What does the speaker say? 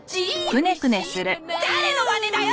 誰のまねだよ！